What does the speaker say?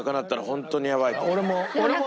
俺も。